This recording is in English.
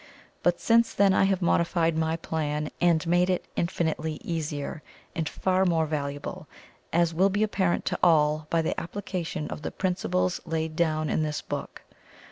But since then I have modified my plan, and made it infinitely easier, and far more valuable, as will be apparent to all, by the application of the principles laid down in this book.